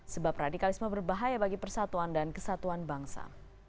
sebab radikalisme berbahaya bagi persatuan dan kesatuan bangsa